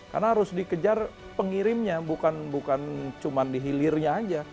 karena harus dikejar pengirimnya bukan cuma dihilirnya aja